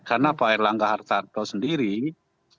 karena pak erlangga hartarto sendiri itu dibahas